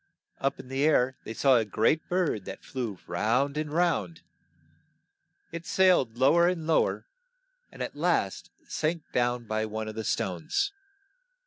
Up in the air they saw a great bird that flew round and round. It sailed low er and low er, and at last sank down by one of the stones.